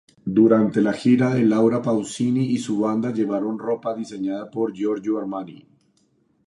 Durante la gira Laura Pausini y su banda llevaron ropa diseñada por Giorgio Armani.